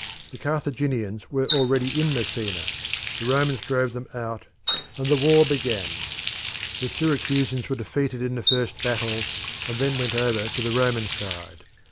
The Carthaginians were already in Messina: the Romans drove them out, and the war began. The Syracusans were defeated in the first battle, and then went over to the Roman side.